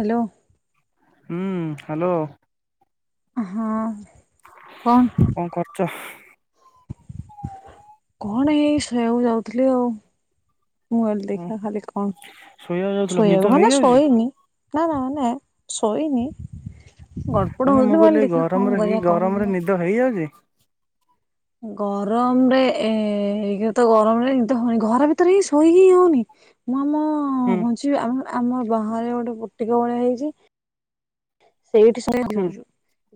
Hello. ଉୁଁ hello. ହଁ କଣ? ଚୋ କଣ ଏଇ ଶୋଇବାକୁ ଯାଉଥିଲି ଆଉ। ମୁଁ କହିଲି ଓ ଦେଖିଆ ଖାଲି କଣ ଶୋଇବାକୁ ଯାଉଥିଲ ନିଦ ଶୋଇବାକୁ ମାନେ ହେଇଯାଉଛି? ଶୋଇନି। ନାଁ ନାଁ ନାଁ ଶୋଇନି ଗଡ ନା କୋଉଠୁ ନା ହଉଥିଲା ମୁଁ କହିଲି ଏଇ ଦେଖିଆ ଗରମରେ କଣ ଏଇ କରିବା ଗରମରେ [unintelligible] ନିଦ ହେଇଯାଉଚି। ଗରମରେ ଏଇ ଏଇନାତ ଗରମରେ ନିଦ ହଉନି ଘର ଭିତରେହିଁ ଶୋଇକିହିଁ ହଉନି। ନାଁ ମୁଁ ଉୁଁ। କିଛି ଆମ ଆମ ବାହାରେ ଗୋଟେ ପୁଟିକ ଭଳିଆ ହେଇଚି। ସେଇଠି ସୋଇ ହୁଁ [unintelligible]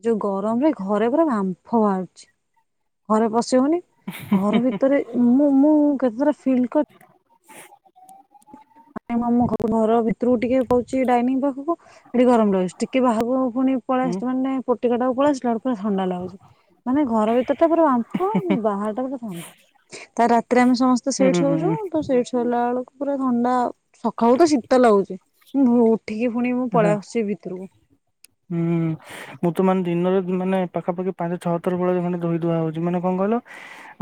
ଯୋଉ ଗରମରେ ଘରେ ପୁରା ବାମ୍ଫ ବାହାରୁଛି ଘରେ ପଶି ହଉନି। ଘର ଭିତରେ ମୁଁ ମୁଁ କେତେଥର ଫିଲ୍ କରି [unintelligible] ଘର ଭିତରକୁ ଟିକିଏ ପାଉଚି ଡାଇନିଂ ପାଖକୁ। ସେଟି ଗରମ ରହୁଚି ଟିକିଏ ବାହାରକୁ ପୁଣି ହୁଁ ପଳିଆସୁଚି ମାନେ ପଟିକଟାକୁ ପଳିଆସିଲାରୁ ପୁରା ଥଣ୍ଡା ଲାଗୁଛି ମାନେ ଘର ଭିତରଟା ପୁରା ବାମ୍ପ ବାହାରଟା ପୁରା ଥଣ୍ଡା। ତା ରାତିରେ ଆମେ ସମସ୍ତେ ହୁଁ ସେଇଠି ହୁଁ ହୁଁ ଶୋଉଚୁ ହୁଁ। ତ ସେଇଠି ଶୋଇଲା ବେଳକୁ ପୁରା ଥଣ୍ଡା। ସକାଳୁତ ଶୀତ ଲାଗୁଚି ମୁଁ ଭୋରୁ ଉଠିକି ପୁଣି ମୁଁ ଆଚ୍ଛା ପଳେଇ ଆସୁଛି ଭିତରକୁ। ହୁଁ ଉୁଁ ମୁଁ ତ ମାନେ ଦିନରେ ମାନେ ପାଖାପାଖି ପାଞ୍ଚ ଛଅଥର ଭୋଳିଆ ମାନେ ଧୋଇ ଧୂଆ ହଉଛି ମାନେ କଣ କହିଲ?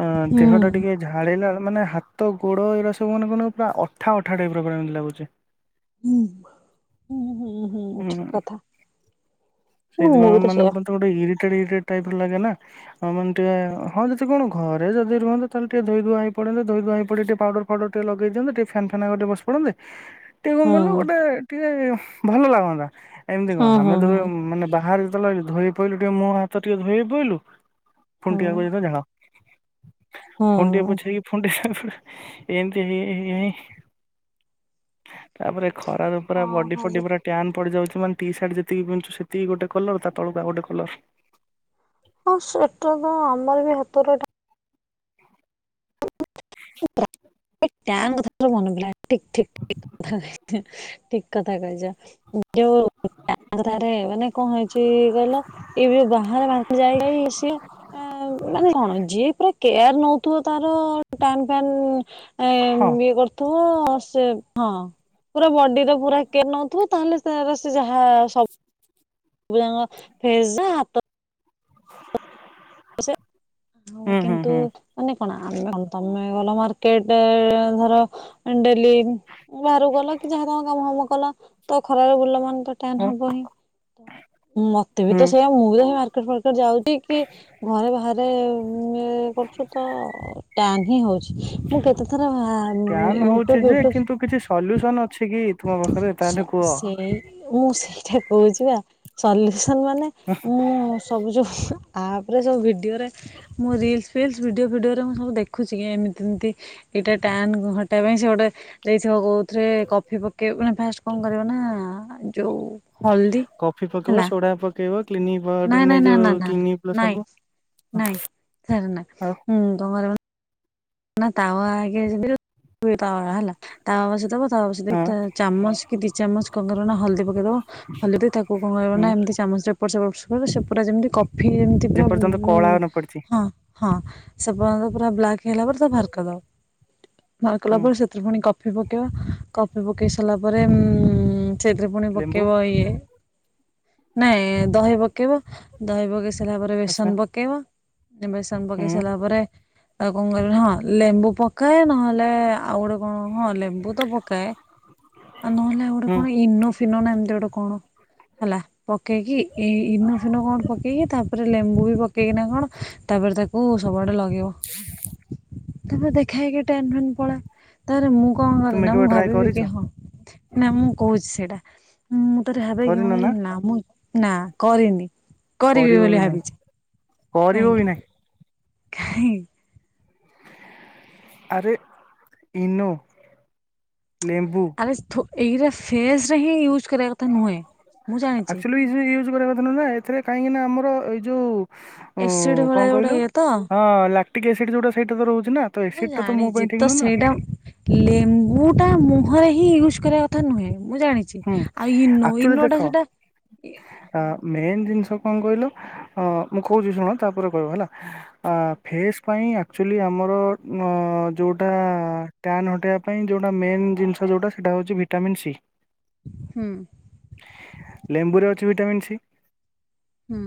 ହଁ ହୁଁ। ଦେହଟା ଟିକିଏ ଝାଳେଇଲା ମାନେ ହାତ ଗୋଡ ଏରାସବୁ ମାନେ କଣ ପୁରା ଅଠା ଅଠା ଟାଇପର ପୁରା ଏମିତି ଲାଗୁଛି। ଉୁଁ ହୁଁ ହୁଁ ହୁଁ ଠିକ କଥା ମୁଁ ମୁଁବିତ ସେଇଆ। ତ ଗୋଟେ ଇରିଟେଡ ଇରିଟେଡ ଟାଇପର ଲାଗେନା। ହଁ ମାନେ ଟିକିଏ ହଁ ଯଦି କଣ ଘରେ ଯଦି ରୁହନ୍ତା ତାହେଲେ ଟିକିଏ ଧୋଇ ଧୁଆ ହେଇପଡନ୍ତେ ଦେ ଧୋଇ ଧୁଆ ହେଇପଡି ଟିକିଏ ପାଉଡର। ପାଉଡର ଟିକିଏ ଲଗେଇଦିଅନ୍ତେ ଟିକିଏ ଫ୍ୟାନ ଫ୍ୟାନ ଆଗରେ ବସିପଡେନ୍ତେ। [inaudible] ଟିକିଏ କଣ କଲୁ ଗୋଟେ ଟିକିଏ ଭଲ ଲାଗନ୍ତା ଏମିତି ହୁଁ କଣ ହୁଁ ଆମେ ହୁଁ। ଯୋଉ ମାନେ ବାହାରେ ତଲାଗି ଧୋଇପଇଲୁ ଟିକେ ମୁୋ ହାତ ଟିକେ ଧୋଇ ପଇଲୁ ଫୁଣି ହୁଁ ଟିକେ ଆଗକୁ ଯାଇଥିବୁ ଝାଳ ହୁଁ ଫୁଣିଟିକେ ପୋଛି ହେଇକି ଏମିତି ହେଇ ହେଇ ହେଇ ତାପରେ ଖରାରୁ ପୁରା ହଁ ବଣ୍ଡି ହବ ଫଣ୍ଡି ପୁରା ପ୍ୟାନ୍ ପଡ଼ିଯାଇଚି ମାନ ଟି ସାର୍ଟ ଯେତିକି ପିନ୍ଧୁଚୁ ସେତିକି ଗୋଟେକଲର ତାତଳକା ଆଉଗୋଟେ କଲର। ହଁ ସେଟାତ ଆମରବି ହାତରେ [unintelligible] ମାନେ ପିଲା ଠିକ୍ ଠିକ୍ ଠିକ୍ ଠିକ୍ କଥା କହିଚ ଯୋଉ [unintelligible] ମାନେ କଁ ହେଇଚି କହିଲ ଏବେ ବାହାରେ ଯାଇନେଇ ସିଏ ଆ ମାନେ କଣ ଯିଏ ପୁରା କେୟାର ନଉଥିବ ତାର ଟନ୍ ଫନ୍ ହଁ ଇଏ ଥୁବ ସେ ହଁ। ପୁରା ବଡିର ପୁରା କେୟାର ନଉଥିବ ତାହେଲେ ସେ ସେ ଯାହା ସ ସବୁଯାଙ୍କ ଫେସ୍ ହାତ ସେ ଆଉ ହୁଁ ହୁଁ କିନ୍ତୁ ହୁଁ ମାନେ କଣ ଆମେ କଣ ତମେ ଗଲ ମାର୍କେଟ ଧର ଡେଲି ବାହାରକୁ ଗଲ କିଯାହା ତମ କାମ ଫାମ କଲ ତଖରାରେ ଭୁଲିଲ ମାନେତ ହଁ ହୁଁ ମତେବିତ ସେଇଆ ମୁଁବି ସେ ମାର୍କେଟ ଫାର୍କେଟ ଯାଉଚି କି ଘରେ ବାହାରେ କରୁଚୁତ ଟାହଁ ହଉଚି ମୁଁ କେତେ ଥର ପ୍ୟାନ୍ ହଉଛି ୟୁଟ୍ୟୁବ ଯେ ୟୁଟ୍ୟୁବ କିନ୍ତୁ କିଛି ସଲ୍ୟୁସନ ଅଛିକି ତୁମ ପାଖରେ ସ ତାହେଲେ କୁହ? ସେଇ ମୁଁ ସେଇଟା କହୁଚିବା ସଲ୍ୟୁସନ ମାନେ ମୁଁ ସବୁ ଯଉ ଆପ୍ରରେ ସବୁ ଭିଡ଼ିଓରେ ମୁଁ ରିଲ୍ସ୍ ଭିଡିଓ ଫିଡିଓରେ ମୁଁ ସବୁ ଦେଖୁଚି କିଏମିତି ଏମିତି ଏଇଟା ଟାନ୍ ହଟାଇବା ପାଇଁ ସେଗୋଟେ ଦେଇଥିବ କହୁଥିରେ କଫି ପକେଇବା ମାନେ ଫାଷ୍ଟ କଣ କରିବନା ଯୋଉ ହଳଦୀ କଫି ପକେଇବ ହେଲା ଯୋଡ଼ା ପକେଇବ କ୍ଲିନିଗ୍ ନାଇଁ ପାଉଡର ନାଇଁ ନା ନା ନେଏଯୋଉି ନା କ୍ଲିନିଙ୍ଗ ପ୍ଲସ୍ ନାଇଁ ହବ ନାଇଁ ସେରାନା ଉଁ ତମର ନା ତାୱା ଆଗେ ଆୱା ହେଲା ତାୱା ବସେଇଦବ ତାୱ ହଁ ବସେଇଦେଇକି ତା ଚାମଚକି ଦି ଚାମଚ କଣ କରିବନା ହଳଦୀ ପକେଇଦବ ହଲେଇଦେଇକି ତାକୁ କଣ କରିବନା ହୁଁ ଏମିତି ଚାମଚରେ ଏପଟ ସେପଟ [unintelligible] ସେପୁରା ଯେମିତି କଫି ଯେମିତି ପୁରା ଯେପର୍ଯ୍ୟନ୍ତ କଳା ନ ପଡିଛି ହଁ ହଁ ସେପର୍ଯ୍ୟନ୍ତ ପୁରା ବ୍ଲାକ୍ ହେଲା ପରେ ତାକୁ ବାହାର କରିଦବ ବାହାରକଲା ହୁଁ ପରେ ଏଥିରେ ପୁଣି କଫି ପକେଇବା କଫି ପକେଇ ସାରିଲା ପରେ ଉ ସେଥିରେ ପୁଣି ଲେମ୍ବୁ ପକେଇବ ଇଏ ନାଇଁ ଦହି ପକେଇବ ଦହି ପକେଇ ସାରିଲା ପରେ ଆଚ୍ଛା ବେସନ ପକେଇବ ବେସନ ପକେଇ ହୁଁ ସାରିଲା ପରେ ଆଉ କଣ କରିବି ହଁ ଲେମ୍ବୁ ପକାଏ ନହେଲେ ଆଉ ଗୋଟେ କଣ ହଁ ଲେମ୍ବୁତ ପକାଏ ଆଉ ନହେଲେ ଆଉ ଗୋଟେ ହୁଁ କଣ ଇନୋ ଫିନୋନା ଏମିତି ଗୋଟେ କଣ ହେଲା। ପକେଇକି ଏଇ ଇନୋଫିନୋ କଣ ପକେଇକି ତାପରେ ଲେମ୍ବୁବି ପକେଇକିନା କଣ ତାପରେ ତାକୁ କୁ ସବୁଆଡ଼େ ଲଗେଇିବ। [inaudible] ତାପରେ ଦେଖା ହେଇକି ଟାଇମ୍ ଫାଇମ୍ ପଳାଏ ତାପରେ ମୁଁ କଣ ତୁମେ କରେନା କେବେ ମୁଁ ଟ୍ରାଏ କରିଛ? ଭାବିବିକି ହଁ ନା ମୁଁ କହୁଛି ସେଇଟା ମୁଁ ଥରେ ଭାବେକି ମୁଁ କହିଲି ନା ମୁଁ ନା କରିନି। କରିବି ବୋଲି ଭାବିଚି। କରିବିବୁ ନାଇଁ। [unintelligible] ଆରେ ଇନୋ ଲେମ୍ବୁ ଏଇଟା ଫେସ୍ ରେ ହିଁ ୟୁଜ୍ କରିବା କଥା ନୁହେଁ ମୁଁ ଜାଣିଛି। ୟୁଜ୍ କରିବା କଥା ନୁହଁ ନା ଏଥିରେ କାହିଁକିନା ଆମର ଏ ଯେଉଁ। ଓ ଏସିଡ୍ କଣ ଭଳିଆ ଗୋଟେ କହିଲୁ ଇଏ ତ ହଁ ଲାକ୍ଟିକ୍ ଏସିଡ୍ ଯୋଉଟା ସେଇଟା ତ ରହୁଛି ନା। ତ ମୁଁ ଏସିଡ ଟା ତ ମୋ ଜାଣିଛି ପାଇଁ ଠିକ ତ ନୁହଁ ନା ସେଇଟା ଲେମ୍ବୁ ଟା ମୁହଁରେ ହିଁ ୟୁଜ କରିବା କଥା କଥା ନୁହେଁ। ମୁଁ ଜାଣିଛି ହୁଁ ଆଉ ଇନୋ ଆକ୍ଚୁଆଲି ଇନୋଟା ଦେଖ ସେଟା ଆ ହଁ ମେନ୍ ଜିନିଷ କଣ କହିଲ ଅଁ ମୁଁ କହୁଛି ଶୁଣ ତାପରେ କହିବ ହେଲା। ଆ ଫେସ୍ ପାଇଁ ଆକ୍ଚୁଆଲି ଆମର ଅଁ ଯୋଉଟା ଟ୍ୟାନ୍ ହଟେଇବା ପାଇଁ ଯେଉଁଟା ମେନ୍ ଜିନିଷ ଯେଉଁଟା ସେଇଟା ହେଉଛି ଭିଟାମିନ୍ ସି। ହୁଁ। ଲେମ୍ବୁ ରେ ଅଛି ଭିଟାମିନ୍ ସି। ହୁଁ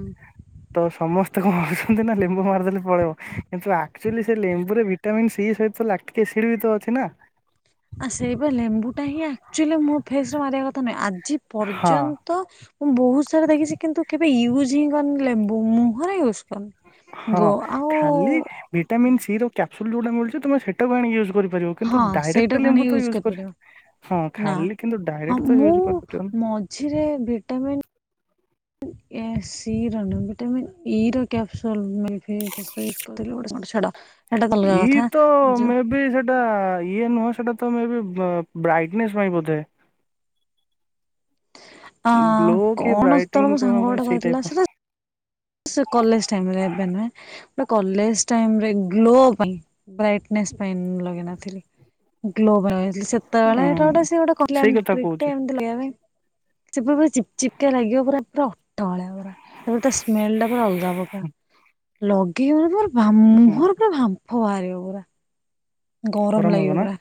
ତ ସମସ୍ତେ କଣ କରୁୁଛନ୍ତି ନା ଲେମ୍ବୁ ମାରିଦେଲେ ପଳେଇବ। କିନ୍ତୁ ଆକ୍ଚୁଆଲି ସେ ଲେମ୍ବୁରେ ଭିଟାମନ୍ ସି ସହିତ ଲାକ୍ଟଟିକ୍ ଏସିଡ ବି ତ ଅଛି ନା। ଆ ସେଇ ବା ଲେମ୍ବୁ ଟା ହିଁ ଆକ୍ଚୁଲି ମୋ ଫେସରେ ମାରିବା କଥା ନୁହେଁ ଆଜି ହଁ। ପର୍ଯ୍ୟନ୍ତ ତ ମୁଁ ବହୁତ ସାରା ଦେଖିଛି କିନ୍ତୁ କେବେ ୟୁଜ୍ ହିଁ କରିନି ଲେମ୍ବୁ ମୁହଁରେ ୟୁଜ୍ କରିନି। ହଁ ଗୋ ଆଉ ଖାଲି ଭିଟାମିନ୍ ସି ର କ୍ୟାପସୁଲ୍ ଯୋଉଟା ମିଳୁଛି ତମେ ସେଇଟାକୁ ଆଣିକ ୟୁଜ୍ କରିବ। କରିବ କିନ୍ତୁ ହଁ ଡାଇରେକ୍ଟ୍ ସେଇଟାକୁ ଆଣି ଲେମ୍ବୁ ତ ୟୁଜ୍ ୟୁଜ କରି କରିପାରିବ ହଁ ନା ଖାଲି କିନ୍ତୁ ହଁ ଡାଇରେକ୍ଟ ତ ମୁଁ ୟୁଜ କରିପକେଇବ ମଝିରେ ଭିଟାମିନ୍ ଏ ସିର ଭିଟାମିନ୍ ନୁହଁ ଇ ର କ୍ୟାପସୁଲ ମେ ବି ୟୁଜ୍ କରୁଥିଲି ଗୋଟେ କଣ ଛାଡ। ସେଟା ତ ଅଲଗା ଇ କଥା ତ ଯୋଉ ମେ ବି ସେ ସେଟା ଇଏ ନୁହଁ ସେଟା ତ ବ୍ରାଇଟନେସ୍ ପାଇଁ ବୋଧେ। ଅ ଗ୍ଲୋ କି କଣ ତଳେ ବ୍ରାଇଟିଙ୍ଗ ମୋ କଣ ସାଙ୍ଗ କଣ ଗୋଟେ ସେଇ କହିଥିଲା ଟାଇପ ସେଟୀ ସେ କଲେଜ୍ ଟାଇମ୍ ରେ ଏବେ ନୁହେଁ। କଲେଜ୍ ଟାଇମ୍ର ରେ ଗ୍ଲୋ ପାଇଁ ବ୍ରାଇଟନେସ୍ ପାଇଁ ଲଗେଇ ନଥିଲି। ଗ୍ଲୋ ପାଇଁ ହଉଛି ସେତେବେଳେଟା ହେଇଟା ଉଁ ଗୋଟେ ସେ ଗୋଟେ କହିଲା ସେଇ କଥା ଟ୍ରିକ୍ କହୁଛି ଟେ ଏମତି ଲଗେଇବା ପାଇଁ‌। ସେ ପୁରା ଚିପ୍ ଚିପ୍ କା ଲାଗିବ ପୁରା ଅଠାଳିଆ। ଏବେ ତା ସ୍ମେଲ୍ ଟା ପୁରା ଅଲଗା ପ୍ରକାର। ଲଗେଇବ ମାନେ ତମର ହୁଁ ମୁହଁରେ ପୁରା ବାମ୍ଫ ବାହାରିବ ପୁରା। ଗରମ ଲାଗିବ ହବ ନା ପୁରା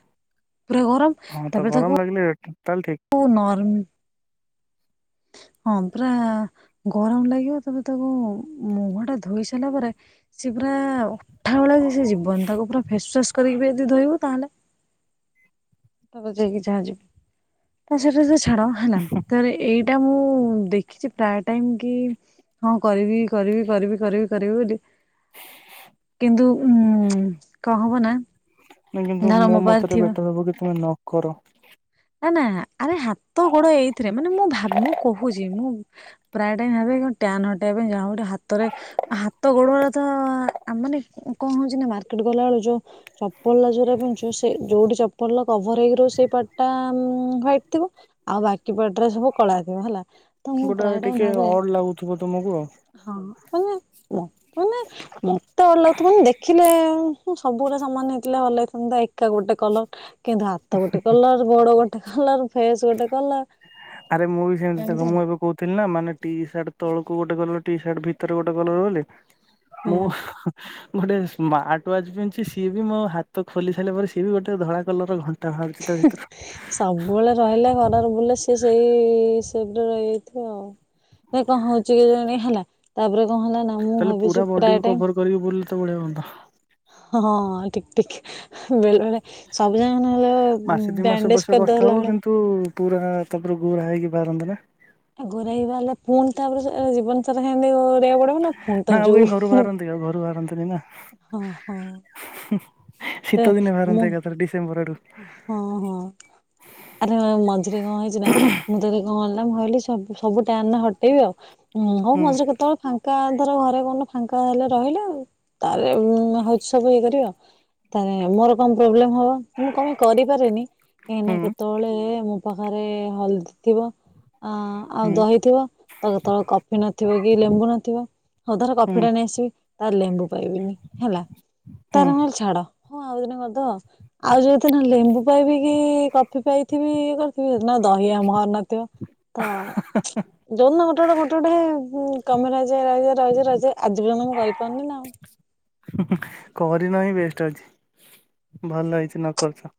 ପୁରା ଗରମ ହଁ ତ ଗରମ ଲାଗିଲେ ତାହେଲେ ଠିକ୍। ଓ ନର୍ମ ହଁ ପୁରା ଗରମ ଲାଗିବ ତାପରେ ତାକୁ ମୁହଁ ଟା ଧୋଇ ସାରିଲା ପରେ ସିଏ ପୁରା ଅଠା ଭଳିଆ କି ସେ ଯିବନି ତାକୁ ପୁରା ଫେସ୍ ୱାସ୍ କରିକି ବି ଯଦି ଧୋଇବୁ ତାହେଲେ ତାକୁ ବୁଝେଇକି ଯାହା ଯିବି ତା ସେଇଟା ତ ଛାଡ ହେଲା, ତାପରେ ଏଇ ଏଇଟା ମୁଁ ଦେଖିଛି ପ୍ରାୟ ଟାଇମ୍ କି ହଁ କରିବି କରିବି କରିବି କରିବି କରିବି ବୋଲି କିନ୍ତୁ ଉଁ କଣ ହବ ନା। କିନ୍ତୁ ଧର ମୋ ପାଖରେ ମତରେ ଥିବ ବେଟର୍ ହବ କି ତୁମେ ନ କର। ନା ନା ଆରେ ହାତ ଗୋଡ ଏଇଥିରେ ମାନେ ମୁଁ ଭାବ ମୁଁ କହୁଛି ମୁଁ। ପ୍ରାୟ ଟା ଭାବେ କଣ ଟ୍ୟାନ୍ ହଟେଇବା ପାଇଁ ଯାହା ଗୋଟେ ହାତରେ ହାତ ଗୋଡ ଗୁରା ତ ମାନେ କଣ ହଉଛି ନା ମାର୍କେଟ ଗଲାବେେଳୁ ଯୋଉ। ଚପଲ ଯୋଉରା ପିନ୍ଧୁଛ ସେ ଯୋଉଠି ଚପଲ କଭର୍ ହେଇକି ରହୁଛି ସେଇ ପାଟ ତା ମୁହଁ ହ୍ବାଇଟି ଥିବ ଆଉ ବାକି ପାର୍ଟ ସବୁ କଳା ଥିବ ହେଲା। ତ ମୁଁ ଗୋଟେ ପ୍ରାୟ ଟାଇମ ଟିକେ ଭାବେ ଅଡ୍ ଲାଗୁଥିବ ତୁମକୁ। ହଁ ମାନେ ମାନେ ମତେ ଭଲ ଲାଗୁଥିବ ମାନେ ଦେଖ୍। ଖିଲେ ମୁଁ ସବୁଗୁରା ସାମାନ ନେଇଥିଲେ ଭଲ ହେଇଥାନ୍ତା ଏକା ଗୋଟେ କଲର କିନ୍ତୁ ହାତ ଗୋଟେ କଲର। ଗୋଡ ଗୋଟେ କଲର ଫେସ୍ ଗୋଟେ କଲର। ଆରେ ମୁଁ ବି ସେମିତି ଦେଖ ଏମିତି ଆଉ। ମୁଁ ଏବେ କହୁ ଥିଲି ନା ମାନେ ଟି ସାର୍ଟ ତଳକୁ ଗୋଟେ କଲର ଟି ସାର୍ଟ ଭିତରେ ଗୋଟେ କଲର ବୋଲି ମୁଁ ହୁଁ। ଗୋଟେ ସ୍ମାର୍ଟ ୱାଚ ପିନ୍ଧିଛି ସିଏ ବି ମୋ ହାତ ଖୋଲି ସାରିଲା ପରେ ସିଏ ବି ଗୋଟେ ଧଳା କଲର ଘ ହିଁ ସବୁବେଳେ। ରହିଲା ଘରରେ ବୁଲେ ସେ ସେଇ ହିସାବରେ ରହିଯାଇଥିବ ଆଉ। କାଇଁ କଣ ହଉଛି କେଜାଣି ହେଲା ତାପରେ କଣ ହେଲା ନା ମୁଁ ତାହେଲେ ପୁରା ଭାବିଛି ବଡିକୁ ପ୍ରାୟ ଟାଇମ୍। କଭର କରିକି ବୁଲଲେ ତ ବଢିଆ ହୁଅନ୍ତା। ହଁ ହଁ ଠିକ୍ ଠିକ୍ ବେଳେବେଳେ। ସବୁଜାଙ୍କ ନହେଲେ ବ୍ୟାଣ୍ଡେଜ କରିଦଲା ଭଳିଆ। ତୁ ପୁରା ତାପରେ ଗୁରା ହେଇକି ବାରମ୍ବାର। ଗୋରା ହେଇବା ହେଲେ ପୁଣି ତାପରେ ସେ ଜୀବନ ସାରା ହେନ୍ତି କରିବାକୁ ପଡିବ ନା ପୁଣି ତ ଆଉ କାଇଁ ଯୋଉ। [unintelligible] ଘରୁ ବାହାରନ୍ତିନି ନା। ହଁ ହଁ। ତ ଶୀତଦିନେ ମୁଁ ବାହାରନ୍ତେ ଏକାଥରେ ଡିସେମ୍ବରରୁ। ହଁ ହଁ ହଁ ଆରେ ମଝିରେ କଣ ହେଇଛି ନା। ମୁଁ ଯଦି କଣ ହେଲା ମୁଁ କହିଲି ସବୁ ସବୁଟା ଏଇନା ହଟେଇବି ଆଉ ହଉ ହୁଁ ମଝିରେ କେତେବେଳେ ଫା ଙ୍କା ଧର ଘରେ କଣ ଫାଙ୍କା ହେଲେ ରହିଲେ ଆଉ ତାର ହଉଛି ସବୁ ଇଏ କରିବି ଆଉ। ତାହେଲେ ମୋର କଣ ପ୍ରୋବ୍ଲେମ ହବ ମୁଁ କଣପାଇଁ କରିପାରେନି ହୁଁ କାହିଁନା କେତବଳେ ମୁଁ। ତା ସାଙ୍ଗରେ ହଳଦୀ ଥିବ ଆଁ। ଆଉ ହୁଁ ଦହିଥିବ ତା କେତେବେଳେ କଫି ନଥିବ କି ଲେମ୍ବୁ ନଥିବ। ହଉ ଧର ହୁଁ କଫିଟା ନେଇ ଆସିବି ତାପରେ ଲେମ୍ବୁ ପାଇବିନି ହେଲା ହୁଁ ତାରେ ନହଲେ ଛାଡ। ହଁ ଆଉ ଦିନ କରିଦବ ଆଉ ଯୋଉଦିନ ଲେମ୍ବୁ ପାଇବି କି କଫି ପାଇଥିବି କରି ଥିବି ହେଦିନ ଦହି ଆମଘର ନଥିବ ତ। ହେ ହେ। ଯୋଉଦିନ ଗୋଟେ ଗୋଟେ ଗୋଟେ ଗୋଟେ ହେ କାମରେ ଆସିଯାଏ ରହିଯାଏ ରହିଯାଏ ରହିଯାଏ ଆଜି ପର୍ଯ୍ୟନ୍ତ ମୁଁ କରିପାରୁନି ନା ଆଉ। କରିନାହିିଁ ବେଷ୍ଟ ଅଛି ଭଲ ହେଇଛି ନ କରିଛ।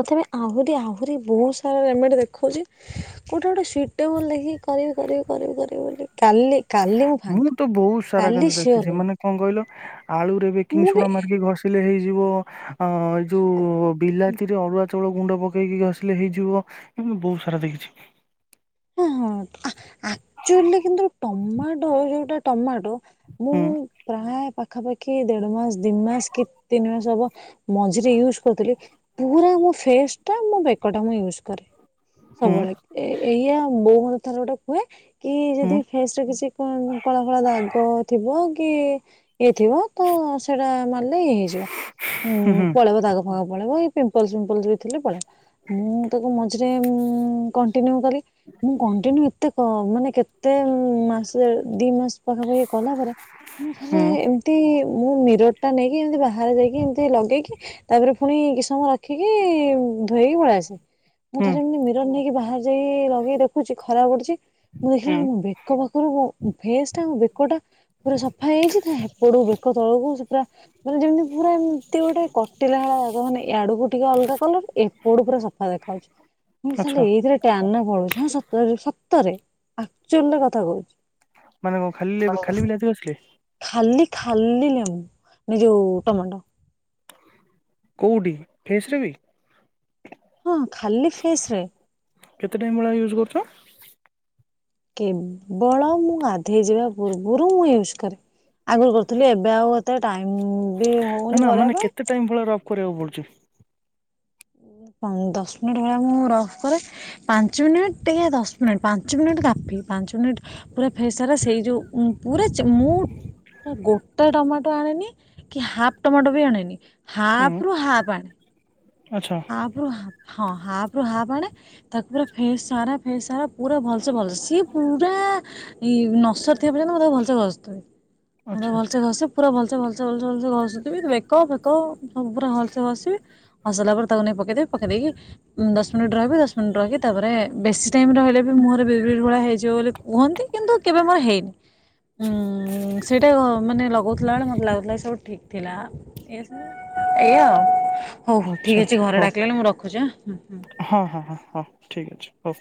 ତଥାବି ଆହୁରି ଆହୁରି ବହୁତ ସାରା ରେମେଡୀ ଦେଖଉଛି। କୋଉଠେ ଗୋଟେ ସିଟେବୁଲ୍ ଦେଖିକି କରିବି କରିବି କରିବି କରିବି ବୋଲି। କାଲି କାଲି ମୁଁ ଫାଙ୍କା ତ ବହୁତ ସାରା କିନ୍ତୁ କାଲି ସିଓର ଦେଖିଛି କହିବି। ମାନେ କଣ କହିଲ ଆଳୁରେ ବେକିଂ ସୋଡା ମାରିକି ଘଷିଲେ ହେଇଯିବ। ଅଁ ଏଇ ଯୋଉ ବିଲାତିରେ ଅରୁୁଆ। ଚାଉଳ ଗୁଣ୍ଡ ପକେଇକି ଘସିଲେ ହେଇଯିବ ଏମିତି ବହୁତ ସାରା ଦେଖିଛି। ହଁ ହଁ ଆ ଆକ୍ଚୁଅଲି କିନ୍ତୁ ଟମାଟୋ ଯୋଉଟା ଟମାଟୋ। ମୁଁ। ହୁଁ ପ୍ରାୟେ ପାଖାପାଖି ଦେଢମାସ ଦିମାସ କି ତିନିମାସ ହବ ମଝିରେ ୟୁଜ କରୁଥିଲି। ପୁରା ମୋ ଫେସ୍ଟା ମୋ ବେକଟା ମୁଁ ୟୁଜ୍ କରେ। ହୁଁ ସବୁବେଳେ ଏ ଏଇଆ ବୋଉ ମତେ ଥରେ ଗୋଟେ କୁହେ କି ହୁଁ ଯଦି। ଫେସରେ କିଛି କଣ କଳା କଳା ଦାଗ ଥିବ କି। ଇଏଥିବ ତ ସେଟା ମାରିଲେ ଇଏ ହେଇ ଯିବ ହୁଁ ହୁଁ ପଳେଇବ ଦାଗଫାଗ ପଳେଇବ ଏଇ ପିମ୍ପଲ ଫିମ୍ପଲ ଯେ ଥିଲେ ପଳାଏ ମୁଁ ତାକୁ ମଝିରେ କଣ୍ଟିନ୍ୟୁ କଲି। ମୁଁ କଣ୍ଟିନ୍ୟୁ ଏତେ କ ମାନେ କେ ତେ ମାସେ ଦିମାସ ପାଖାପାଖି କଲା ପରେ ମୁଁ ଥରେ ହୁଁ। ଏ ଏମତି ମୁଁ ମିରଟଟା ନେଇକି ଏମିତି ବାହାରେ ଯାଇକି ଏମିତି ଲଗେଇକି ତାପରେ ପୁଣି କିଚି ସମୟ ରଖିକି ଧୋଇକି ପଳେଇ ଆସେ। ମୁଁ ହୁଁ ଥରେ ଏମିତି ମିରନ୍ ନେଇକି ବାହାର ଯାଇ ଲଗେଇ ଦେଖୁଛି ଖରାପ ପଡୁଚି ମୁଁ ଦେଖିଲା ହୁଁ ବେଳୁ ମୋ ବେ କ ପାଖରୁ ମୋ ଫେସ୍ ଟା ମ ବେକ ଟା ପୁରା ସଫା ହେଇଯାଇଚି ତା ହେପଡୁ ବେକ ତଳକୁ ସେ ପୁରା ମାନେ ଯେମିତି ପୁରା ଏମିତି ଗୋଟେ କଟିଲା ଭେ ମାନେ ଆଡକୁ ଟିକେ ଅଲଗା କଲର ଏ ପଡ ପୁରା ସଫା ଦେଖା ହଉଚି। [unintelligible] ଆଚ୍ଛା ଏଇଥିରେ ଟାନ ପଳଉଚି ହଁ ସତରେ ସତରେ ଆକଚୁଅଲିର କଥା କହୁଚି। ମାନେ କଣ ଖାଲି ଖାଲି ବିଲାତି ଗସିଲେ? ଖାଲି ଖାଲି ଲେମୁ ଏ ଯୋଉ ଟମାଟୋ। କୋଉଠି ଫେସ ରେ ବି? ହଁ ଖାଲି ଫେସ ରେ। କେତେ ଟାଇମ୍ ଭଳିଆ ୟୁଜ କରୁଚ? କେବଳ ମୁଁ ଗାଧେଇ ଯିବା ପୂର୍ବରୁ ମୁଁ ୟୁଜ୍ କରେ। ଆଗରୁ କରୁଥିଲି ଏବେ ଆଉ ଏତେ ଟାଇମ୍ ହେ ନା ମାନେ କେତେ ଟାଇମ ଭଳିଆ ରଫ୍ କରିବାକୁ ପଡୁଚି? ଦଶ ମିନିଟ୍ ଭଳିଆ ମୁଁ ରବ କରେ। ପାଞ୍ଚ ମିନିଟ୍ ୟା ଦଶ ମିନିଟ୍ ପାଞ୍ଚ ମିନିଟ୍ କାଫି ପାଞ୍ଚ ମିନିଟ ପୁରା ଫେସ ସାରା ସେଇ ଯୋଉ ପୁରା ମୁଁ ପା ଗୋଟେ ଟମାଟୋ ଆଣିନି କି ହାଫ୍ ଟମାଟୋ ବି ଆଣେନି ହୁଁ ହାଫ ରୁ ହାଫ ଆଣେ। ଆଚ୍ଛା। ହାପ ରୁ ହା ହଁ ହାପ ରୁ ହାପ ଆଣେ ତାକୁ ପୁରା ଫେସ୍ ସାରା ଫେସ୍ ସାରା ପୁରା ଭଲସେ ଭଲସେ ସିଏ ପୁରା ନସର ଥିବା ପର୍ଯ୍ୟନ୍ତ ମୁଁ ତାକୁ ଭଲସେ ଗସିଥିମି। ମୁଁ ଆଚ୍ଛା ତାକୁ ଆଚ୍ଛା ଭଲସେ ଘସେ ପୁରା ଭଲସେ ଭଲସେ ଭଲସେ ଭଲସେ ଘସୁଥିବି ବେକ ଫେକ ସବୁ ପୁରା ଭଲସେ ଘସିବି। ଘସିଲା ପରେ ତାକୁ ନେଇକି ପକେଇ ଦେବୀ ପକେଇ ଦେଇକି ଦଶ ମିନିଟ୍ ରହିବି ଦଶ ମିନିଟ୍ ରହିକି ତାପରେ ବେଶୀ ଟାଇମ୍ ରହିଲେ ବି ମୁହଁରେ ବିରି ବିର ଭଳିଆ ହେଇଯିବ ବୋଲି କୁହନ୍ତି କିନ୍ତୁ କେବେ ମୋର ହେଇନି। ହୁଁ ସେଇଟା ମାନେ ଲଗଉଥିଲା ବେଳେ ମତେ ଲାଗୁଥିଲା ସବୁ ଠିକ ଥିଲା। [unintelligible] ଏଇଆଉ ହଉ ଆଚ୍ଛା ଠିକ ଅଛି ଘରେ ହଉ ଡାକିଲେଣି ମୁଁ ରଖୁଚି ଆଁ? ହୁଁ ହୁଁ। ହଁ ହଁ ହଁ ହଁ ଠିକ୍ ଅଛି ହୋଉ।